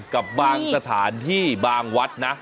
กับบางสถานที่บางวัดนะ